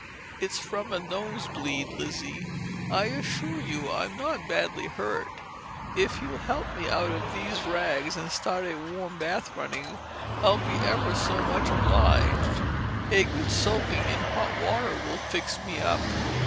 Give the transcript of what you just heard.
"It's from a nosebleed, Lizzie. I assure you I'm not badly hurt. If you'll help me out of these rags and start a warm bath running, I'll be ever so much obliged. A good soaking in hot water will fix me up.